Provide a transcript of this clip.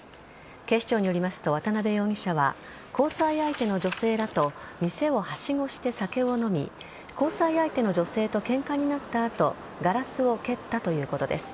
警視庁によりますと渡辺容疑者は交際相手の女性らと店をはしごして酒を飲み交際相手の女性とケンカになった後ガラスを蹴ったということです。